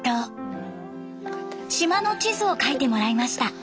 島の地図を描いてもらいました。